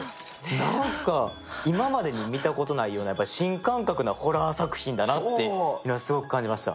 なんか、今までに見たことない新感覚なホラー作品だなってすごく感じました。